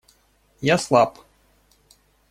Я слаб.